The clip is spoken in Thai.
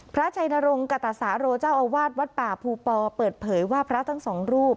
พระชัยนรงค์กะตะสารโรเจ้าอวาทวัตต์ปลาผูปอล์เปิดเผยว่าพระทั้งสองรูป